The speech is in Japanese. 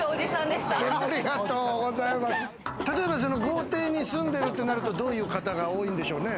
豪邸に住んでるってなると、どういう方が多いんでしょうね？